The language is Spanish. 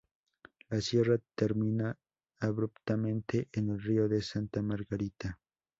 La sierra termina abruptamente en el río de Santa Margarita.